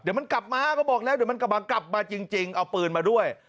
เดี๋ยวมันกลับมาก็บอกแล้วเดี๋ยวมันกลับมากลับมาจริงเอาปืนมาด้วย